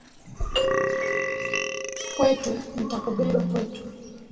Kwetu, ntakubeba kwetu